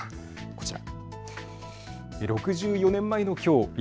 こちら。